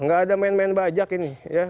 gak ada main main bajak ini